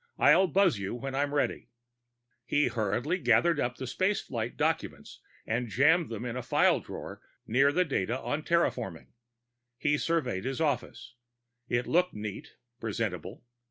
I'll buzz you when I'm ready." Hurriedly he gathered up the space flight documents and jammed them in a file drawer near the data on terraforming. He surveyed his office; it looked neat, presentable.